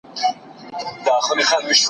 مځکه دي سره ده وچ دي اسمان دی